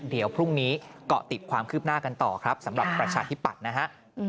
เดี๋ยวพรุ่งนี้เกาะติดความคืบหน้ากันต่อครับสำหรับประชาธิปัตย์นะฮะ